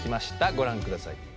ご覧ください。